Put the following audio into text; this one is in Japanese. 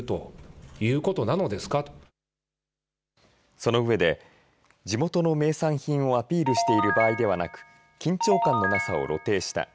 そのうえで地元の名産品をアピールしている場合ではなく緊張感のなさを露呈した。